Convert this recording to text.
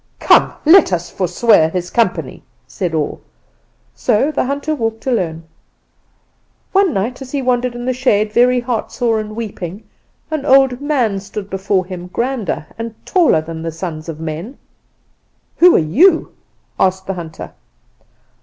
"'Come, let us forswear his company,' said all. "So the hunter walked alone. "One night, as he wandered in the shade, very heartsore and weeping, an old man stood before him, grander and taller than the sons of men. "'Who are you?' asked the hunter.